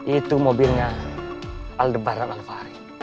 itu mobilnya aldebaran alvari